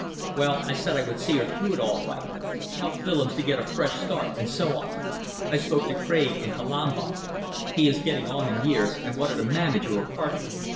Well, I said I would see her through it all right; help Willems to a fresh start and so on. I spoke to Craig in Palembang. He is getting on in years, and wanted a manager or partner.